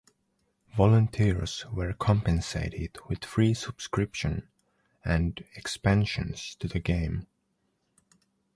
Volunteers were compensated with free subscription and expansions to the game.